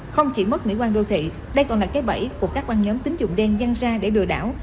không chỉ mất nữ quan đô thị đây còn là cái bẫy của các băng nhóm tính dụng đen gian ra để đùa đảo